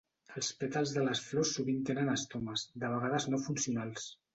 Els pètals de les flors sovint tenen estomes, de vegades no funcionals.